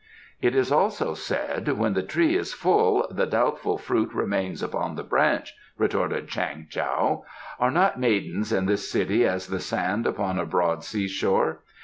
'" "It is also said: 'When the tree is full the doubtful fruit remains upon the branch,'" retorted Chang Tao. "Are not maidens in this city as the sand upon a broad seashore?